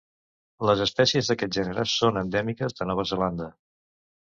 Les espècies d'aquest gènere són endèmiques de Nova Zelanda.